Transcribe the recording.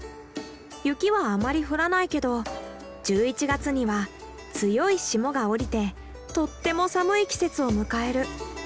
雪はあまり降らないけど１１月には強い霜が降りてとっても寒い季節を迎える。